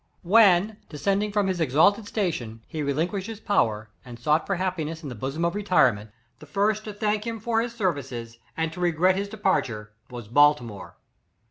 "When, descending from his exalted sta tion, he relinquished his power, and sought for happiness in the bosom of retirement, the first to thank him for his services, and to regret his departure, was Baltimore.